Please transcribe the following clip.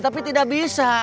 tapi tidak bisa